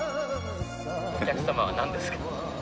お客様はなんですか？